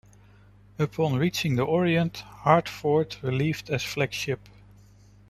Upon reaching the Orient, "Hartford" relieved as flagship.